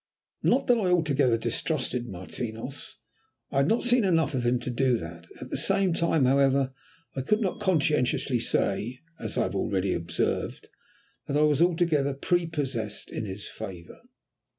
Not that I altogether distrusted Martinos, I had not seen enough of him to do that; at the same time, however, I could not conscientiously say, as I have already observed, that I was altogether prepossessed in his favour.